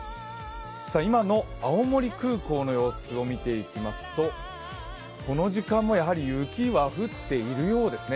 今の青森空港の様子を見ていきますと、この時間もやはり雪は降っているようですね。